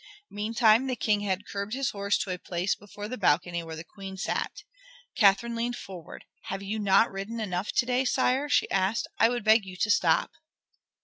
Meantime the King had curbed his horse to a place before the balcony where the Queen sat. Catherine leaned forward. "Have you not ridden enough to day, sire?" she asked. "I would beg you to stop."